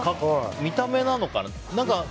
見た目なのかな。